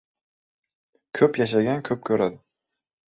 • Ko‘p yashagan ko‘p ko‘radi.